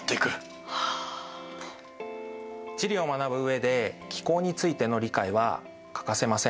地理を学ぶ上で気候についての理解は欠かせません。